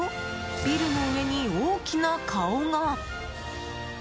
ビルの上に大きな顔が。